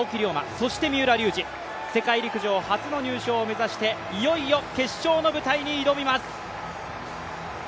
そして三浦龍司、世界陸上初の入賞を目指して、いよいよ決勝の舞台に挑みます。